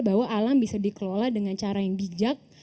bahwa alam bisa dikelola dengan cara yang bijak